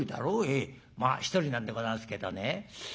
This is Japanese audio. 「ええまあ独りなんでございますけどね